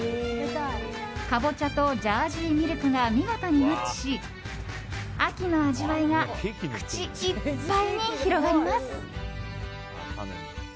カボチャとジャージーミルクが見事にマッチし秋の味わいが口いっぱいに広がります。